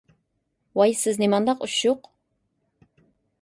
ۋاي سىز نېمانداق ئۇششۇق!